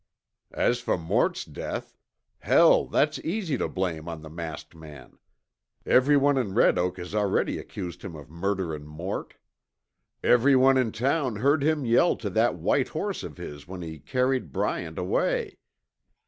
"As for Mort's death hell, that's easy to blame on the masked man. Everyone in Red Oak has already accused him of murderin' Mort. Everyone in town heard him yell to that white horse of his when he carried Bryant away.